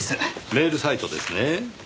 メールサイトですね。